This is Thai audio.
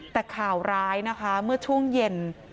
แต่ข่าวร้ายนะคะเมื่อช่วงเย็น